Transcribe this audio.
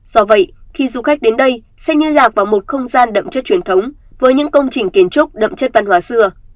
do vậy khi du khách đến đây sẽ liên lạc vào một không gian đậm chất truyền thống với những công trình kiến trúc đậm chất văn hóa xưa